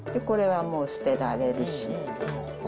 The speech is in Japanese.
これはもう捨てられるし。